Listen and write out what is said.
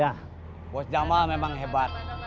ya bos jamaah memang hebat